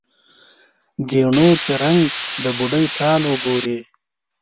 ګېڼو کې رنګ، د بوډۍ ټال وګورې